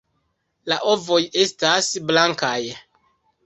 La ovoj estas blankaj.